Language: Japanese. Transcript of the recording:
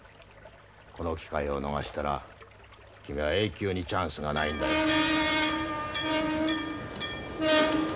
この機会を逃したら君は永久にチャンスがないんだよ。